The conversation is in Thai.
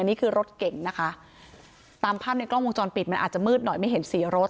นี่คือรถเก่งนะคะตามภาพในกล้องวงจรปิดมันอาจจะมืดหน่อยไม่เห็นสีรถ